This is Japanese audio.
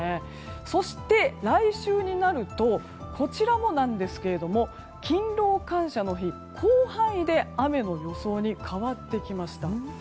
そして、来週になるとこちらもなんですが勤労感謝の日、広範囲で雨の予想に変わってきました。